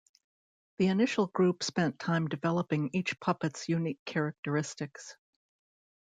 The initial group spent time developing each puppet's unique characteristics.